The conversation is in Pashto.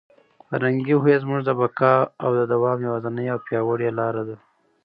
فرهنګي هویت زموږ د بقا او د دوام یوازینۍ او پیاوړې لاره ده.